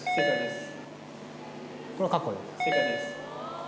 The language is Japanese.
正解です。